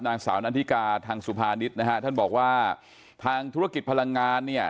นางสาวนันทิกาทางสุภานิษฐ์นะฮะท่านบอกว่าทางธุรกิจพลังงานเนี่ย